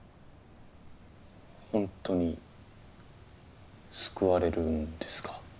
ホントに救われるんですか？